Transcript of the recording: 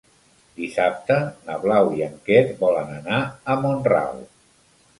Dissabte na Blau i en Quer volen anar a Mont-ral.